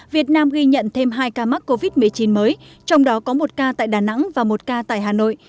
việt nam ghi nhận thêm hai ca mắc covid một mươi chín mới trong đó có một ca tại đà nẵng và một ca tại hà nội